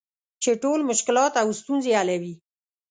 چې ټول مشکلات او ستونزې حلوي .